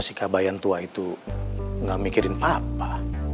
sama si kabayan tua itu gak mikirin apa apa